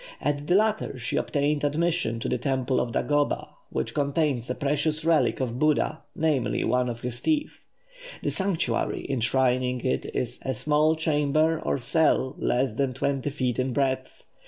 At the latter she obtained admission to the temple of Dagoba, which contains a precious relic of Buddha, namely, one of his teeth. The sanctuary enshrining it is a small chamber or cell, less than twenty feet in breadth.